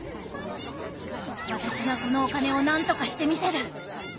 私がこのお金をなんとかしてみせる。